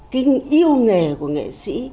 cái yêu nghề của nghệ sĩ